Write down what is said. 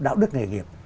đạo đức nghề nghiệp